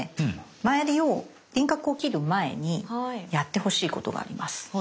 周りを輪郭を切る前にやってほしいことがあります。